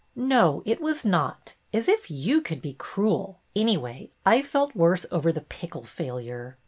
"No, it was not. As if you could be cruel! Anyway, I felt worse over the pickle failure.